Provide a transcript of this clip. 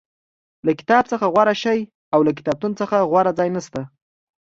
له کتاب څخه غوره شی او له کتابتون څخه غوره ځای نشته.